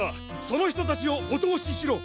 そのひとたちをおとおししろ。